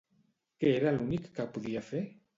Què era l'únic que podia fer?